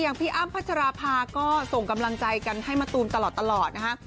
พี่อ้ำพัชราภาก็ส่งกำลังใจกันให้มะตูมตลอดนะฮะ